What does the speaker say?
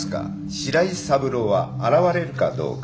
白井三郎は現れるかどうか。